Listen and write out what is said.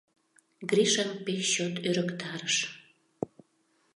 Гришам пеш чот ӧрыктарыш.